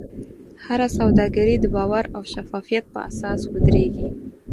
هره سوداګري د باور او شفافیت په اساس ودریږي.